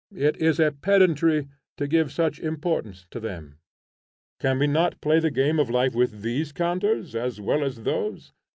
It is a pedantry to give such importance to them. Can we not play the game of life with these counters, as well as with those?